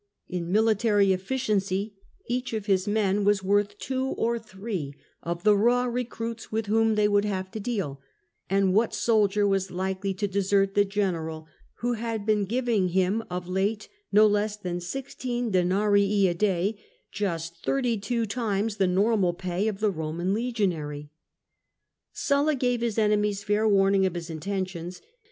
In military efficiency each of his men was worth two or three of the raw recruits with whom they would have to deal ; and what soldier was likely to desert the general who had been giving him of late no less than sixteen denarii a day, just thirty two times the normal pay of the Eoman legionary ? Sulla gave his enemies fair warning of his intentions.